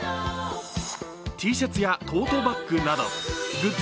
Ｔシャツやトートバッグなどグッズ